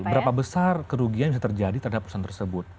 berapa besar kerugian bisa terjadi terhadap perusahaan tersebut